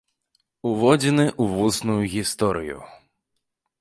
Уводзіны ў вусную гісторыю.